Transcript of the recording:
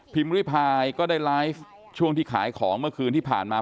ริพายก็ได้ไลฟ์ช่วงที่ขายของเมื่อคืนที่ผ่านมา